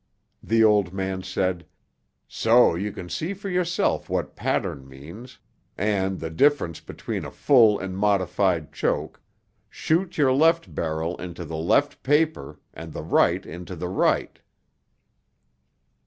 The old man said, "So you can see for yourself what pattern means, and the difference between a full and modified choke, shoot your left barrel into the left paper and the right into the right."